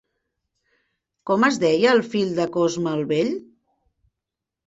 Com es deia el fill de Cosme el Vell?